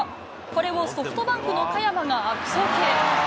これをソフトバンクの嘉弥真が悪送球。